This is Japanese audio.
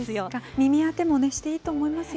耳あてもしていいと思いますよ。